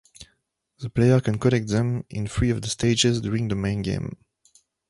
The player can collect them in three of the stages during the main game.